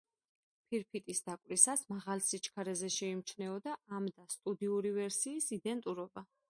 ფირფიტის დაკვრისას, მაღალ სიჩქარეზე შეიმჩნეოდა ამ და სტუდიური ვერსიის იდენტურობა.